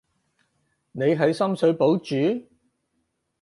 你喺深水埗住？